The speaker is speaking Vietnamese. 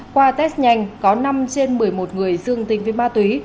qua test nhanh có năm trên một mươi một người dương tính với ma túy